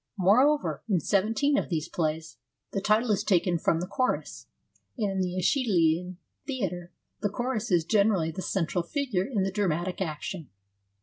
Moreover, in seventeen of these plays, the title is taken from the chorus, and in the ^Eschy lean Theatre the chorus is generally the central figure in the dramatic action.